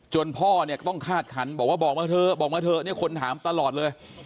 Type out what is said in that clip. พ่อเนี่ยต้องคาดขันบอกว่าบอกมาเถอะบอกมาเถอะเนี่ยคนถามตลอดเลย